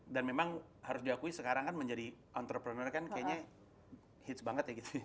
dan memang harus diakui sekarang kan menjadi entrepreneur kan kayaknya hitch banget ya gitu